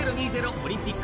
オリンピック